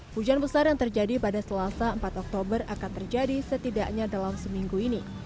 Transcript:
hujan besar yang terjadi pada selasa empat oktober akan terjadi setidaknya dalam seminggu ini